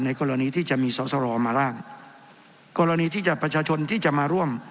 กรณีที่จะมีสอสรมาร่างกรณีที่จะประชาชนที่จะมาร่วม